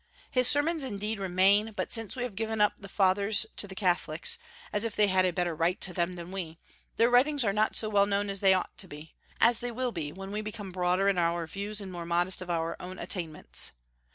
His sermons, indeed, remain; but since we have given up the Fathers to the Catholics, as if they had a better right to them than we, their writings are not so well known as they ought to be, as they will be, when we become broader in our views and more modest of our own attainments.